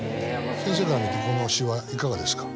先生から見てこの詞はいかがですか？